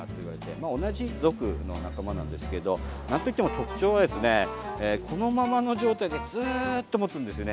同じ属の仲間なんですけどなんといっても特徴はこのままの状態でずっともつんですね。